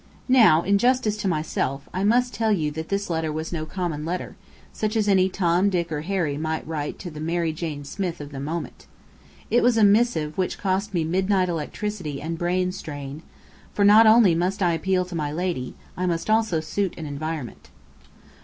Now, in justice to myself, I must tell you that this letter was no common letter, such as any Tom, Dick, or Harry may write to the Mary Jane Smith of the moment. It was a missive which cost me midnight electricity and brain strain; for not only must I appeal to my lady, I must also suit an environment.